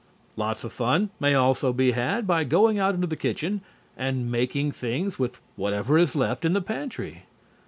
Lots of fun may also be had by going out into the kitchen and making things with whatever is left in the pantry.